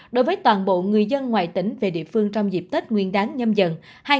đối với toàn bộ người dân ngoài tỉnh về địa phương trong dịp tết nguyên đáng nhâm dần hai nghìn hai mươi